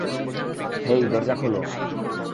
হেই, দরজা খোল।